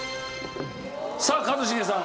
さあ一茂さん。